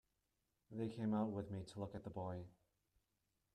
They came out with me to look at the boy.